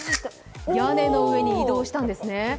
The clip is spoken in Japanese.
屋根の上に移動したんですね。